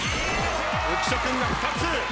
浮所君が２つ。